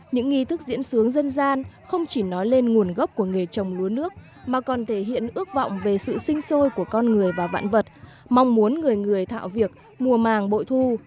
những nghi thức diễn sướng dân gian không chỉ nói lên nguồn gốc của nghề trồng lúa nước mà còn thể hiện ước vọng về sự sinh sôi của con người và vạn vật mong muốn người người thạo việc mùa màng bội thu